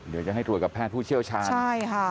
เดี๋ยวจะให้ตรวจกับแพทย์ผู้เชี่ยวชาญใช่ค่ะ